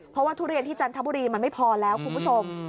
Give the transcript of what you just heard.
เพราะว่าทุเรียนที่จันทบุรีมันไม่พอแล้วคุณผู้ชม